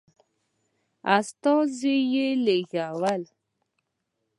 استازي لېږلي.